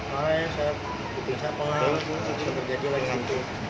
kalau saya bisa pengalaman bisa berjadilah yang lain